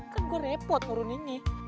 kan gue repot nurun ini